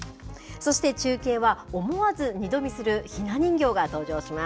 そして中継は、思わず二度見するひな人形が登場します。